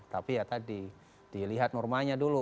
tapi ya tadi dilihat normanya dulu